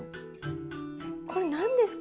これなんですか？